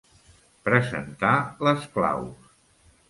Presentar les claus.